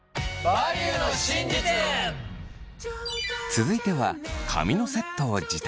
続いては髪のセットを時短。